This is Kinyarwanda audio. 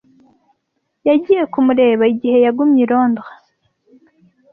Yagiye kumureba igihe yagumye i Londres.